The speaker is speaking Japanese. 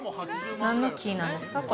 何の木なんですか？